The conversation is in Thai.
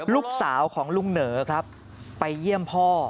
ลูกสาวของลุงเหนอครับไปเยี่ยมพ่อ